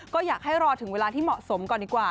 ก็อยากให้รอถึงเวลาที่เหมาะสมก่อนดีกว่า